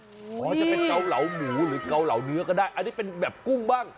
อ๋อจะเป็นเกาเหลาหมูหรือเกาเหลาเนื้อก็ได้อันนี้เป็นแบบกุ้งบ้าง